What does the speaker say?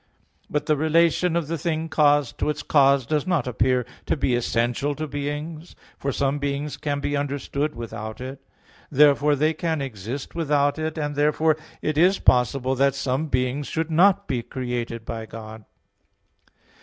But the relation of the thing caused to its cause does not appear to be essential to beings, for some beings can be understood without it; therefore they can exist without it; and therefore it is possible that some beings should not be created by God.